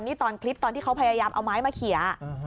นี่ตอนคลิปตอนที่เขาพยายามเอาไม้มาเขียน